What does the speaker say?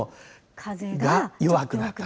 風が弱くなった。